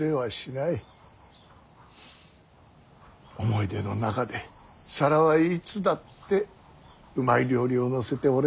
思い出の中で皿はいつだってうまい料理を載せて俺たちの前へ並ぶ。